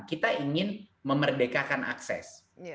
kita ingin memerdekakan akses